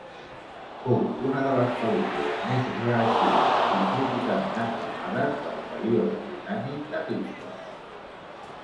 Fou una de les pel·lícules més reeixides i críticament aclamades del període britànic de Hitchcock.